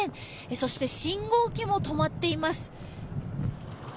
そして信号機も止まっています。